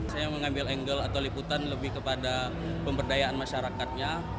saya mengambil angle atau liputan lebih kepada pemberdayaan masyarakatnya